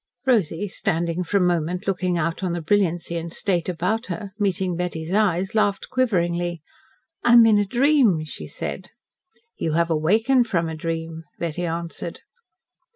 Rosy, standing for a moment looking out on the brilliancy and state about her, meeting Betty's eyes, laughed quiveringly. "I am in a dream," she said. "You have awakened from a dream," Betty answered.